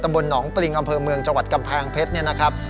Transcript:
ตำบลหนองปริงอำเภอเมืองจังหวัดกำแพงเพชร